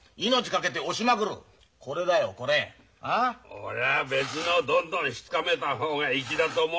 俺は別のをどんどんひっつかめえた方が粋だと思うがな。